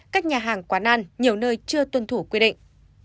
các nhà hàng quán ăn nhiều nơi chưa tuân thủ quy định